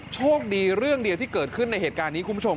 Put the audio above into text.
โชคดีเรื่องเดียวที่เกิดขึ้นในเหตุการณ์นี้คุณผู้ชม